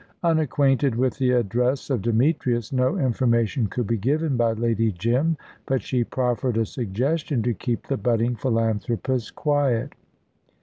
Unacquainted with the address of Demetrius, no information could be given by Lady Jim; but she proffered a suggestion to keep the budding philanthropist quiet.